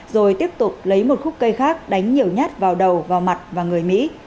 rồi tiếp tục lấy một khúc cây khác đánh nhiều nhát vào đầu vào mặt và người mỹ